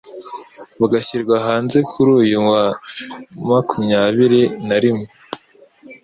bugashyirwa hanze kuri uyu wa makumyabiri narimwe